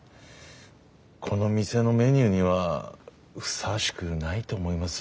この店のメニューにはふさわしくないと思います。